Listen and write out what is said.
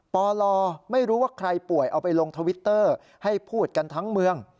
ปลไม่รู้ว่าใครป่วยเอาไปลงทวิตเตอร์ให้พูดกันทั้งเมือง